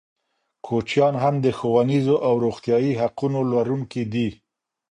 کوچیان هم د ښوونیزو او روغتیايي حقونو لرونکي دي.